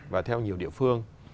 và theo nhiều địa phương